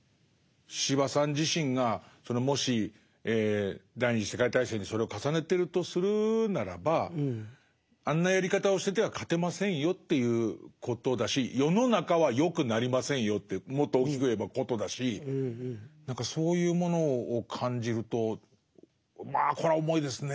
司馬さん自身がもし第二次世界大戦にそれを重ねてるとするならばあんなやり方をしてては勝てませんよということだし世の中は良くなりませんよってもっと大きく言えばことだし何かそういうものを感じるとまあこれは重いですね。